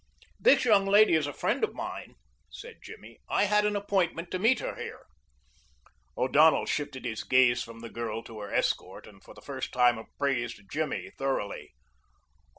"This young lady is a friend of mine," said Jimmy. "I had an appointment to meet her here." O'Donnell shifted his gaze from the girl to her escort and for the first time appraised Jimmy thoroughly.